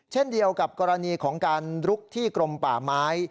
เช่นเดียวกับกรณีของการลุกที่กรมป่าไม้